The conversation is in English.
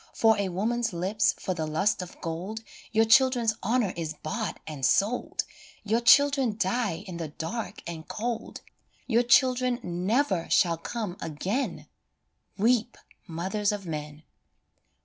For a woman's lips, for the lust of gold, Your children's honour is bought and sold, Your children die in the dark and cold, Your children never shall come again Weep, mothers of men